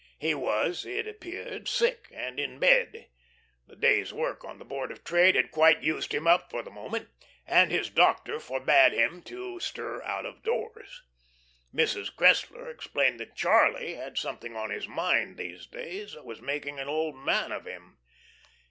He was, it appeared, sick, and in bed. The day's work on the Board of Trade had quite used him up for the moment, and his doctor forbade him to stir out of doors. Mrs. Cressler explained that Charlie had something on his mind these days, that was making an old man of him.